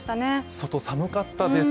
外、寒かったです。